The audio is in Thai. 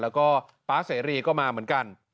แล้วก็ป๊าเสรีก็มาเหมือนกัน